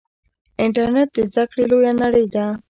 انټرنیټ د زده کړې لویه نړۍ ده.